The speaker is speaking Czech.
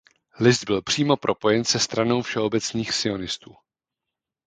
List byl přímo propojen se stranou Všeobecných sionistů.